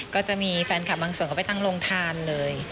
ก็จะมีแฟนคลับบางส่วนเขาไปตั้งโรงทานเลย